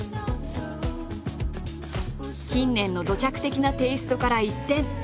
近年の土着的なテーストから一転。